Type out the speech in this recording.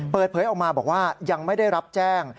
เปิดเผยออกมาบอกว่ายังไม่ได้รับแจ้ง